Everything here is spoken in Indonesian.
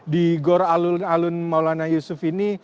di gor alun alun maulana yusuf ini